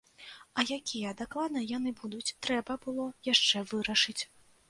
А якія дакладна яны будуць, трэба было яшчэ вырашыць.